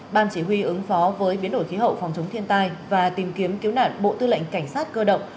ban chỉ huy ứng phó với biến đổi khí hậu phòng chống thiên tai và tìm kiếm cứu nạn bộ tư lệnh cảnh sát cơ động